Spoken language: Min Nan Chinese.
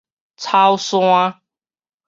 草山